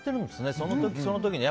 その時、その時で。